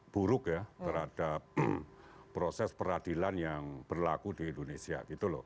buruk ya terhadap proses peradilan yang berlaku di indonesia